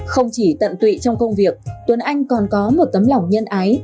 không chỉ tận tụy trong công việc tuấn anh còn có một tấm lòng nhân ái